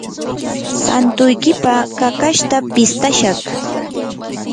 santuykipaq kakashta pistashaq.